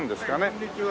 こんにちは。